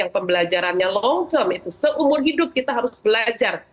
yang pembelajaran yang long term itu seumur hidup kita harus belajar